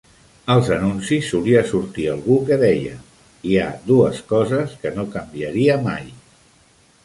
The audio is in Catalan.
Als anuncis solia sortir algú que deia Hi ha dues coses que no canviaria mai.